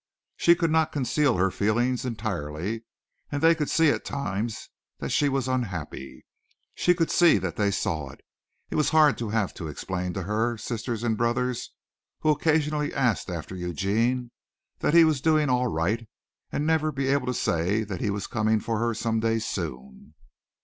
She could not conceal her feelings entirely and they could see at times that she was unhappy. She could see that they saw it. It was hard to have to explain to her sisters and brothers, who occasionally asked after Eugene, that he was doing all right, and never be able to say that he was coming for her some day soon.